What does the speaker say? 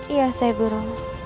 iya seh guru